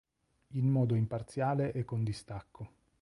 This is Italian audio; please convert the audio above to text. In modo imparziale e con distacco.